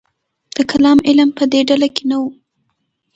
د کلام علم په دې ډله کې نه و.